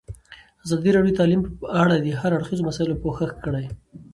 ازادي راډیو د تعلیم په اړه د هر اړخیزو مسایلو پوښښ کړی.